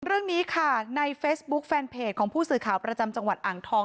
เรื่องนี้ค่ะในเฟซบุ๊คแฟนเพจของผู้สื่อข่าวประจำจังหวัดอ่างทอง